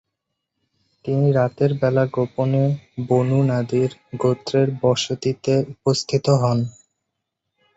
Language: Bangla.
তিনি রাতের বেলা গোপনে বনু নাদির গোত্রের বসতিতে উপস্থিত হন।